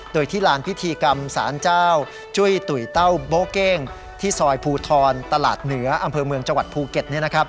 โดยที่ลานพิธีกรรมสารเจ้าจุ้ยตุ๋ยเต้าโบ๊เก้งที่ซอยภูทรตลาดเหนืออำเภอเมืองจังหวัดภูเก็ต